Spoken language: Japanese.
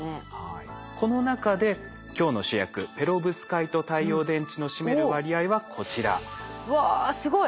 この中で今日の主役ペロブスカイト太陽電池の占める割合はこちら。わすごい。